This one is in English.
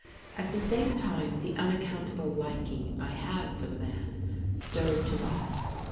At the same time, the unaccountable liking I had for the man stirred to life.